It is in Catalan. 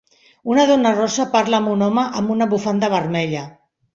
Una dona rossa parla amb un home amb una bufanda vermella.